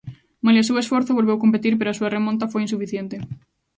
Malia o seu esforzo, volveu competir pero a súa remonta foi insuficiente.